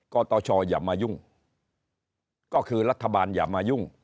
ตชอย่ามายุ่งก็คือรัฐบาลอย่ามายุ่ง